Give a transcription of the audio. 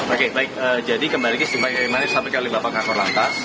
oke baik jadi kembali lagi saya ingin mengucapkan kepada bapak kakor lantas